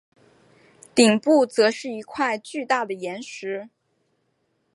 顶部则是一块巨大的岩石。